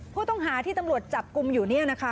ผู้ต้องหาที่ตำรวจจับกลุ่มอยู่เนี่ยนะคะ